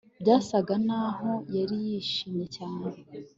Byasaga naho yari yishimye cyane